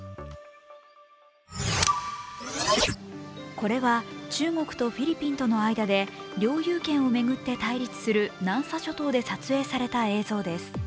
これは中国とフィリピンとのまで領有権を巡って対立する南沙諸島で撮影された映像です。